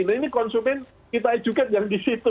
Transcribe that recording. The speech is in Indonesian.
nah ini konsumen kita educate yang di situ